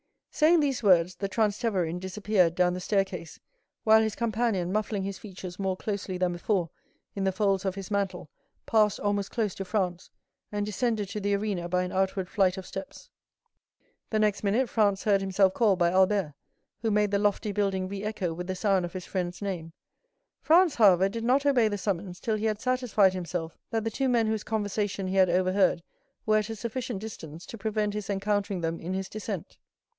Saying these words, the Transteverin disappeared down the staircase, while his companion, muffling his features more closely than before in the folds of his mantle, passed almost close to Franz, and descended to the arena by an outward flight of steps. The next minute Franz heard himself called by Albert, who made the lofty building re echo with the sound of his friend's name. Franz, however, did not obey the summons till he had satisfied himself that the two men whose conversation he had overheard were at a sufficient distance to prevent his encountering them in his descent.